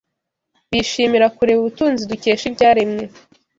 bishimira kureba ubutunzi dukesha ibyaremwe.